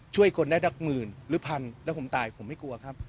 ช่วยคนได้ดักหมื่นหรือพันแล้วผมตายผมไม่กลัวครับ